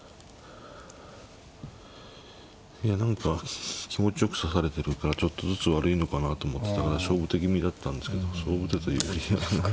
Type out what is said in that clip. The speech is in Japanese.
いや何か気持ちよく指されてるからちょっとずつ悪いのかなと思ってたら勝負手気味だったんですけど勝負手というよりは何か。